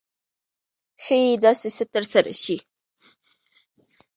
ښایي داسې څه ترسره شي.